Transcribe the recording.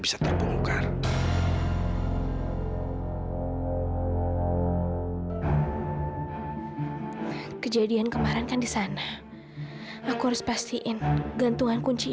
sampai jumpa di video selanjutnya